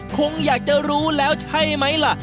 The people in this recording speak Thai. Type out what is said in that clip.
คงอยากจะรู้แล้วใช่ไหมล่ะ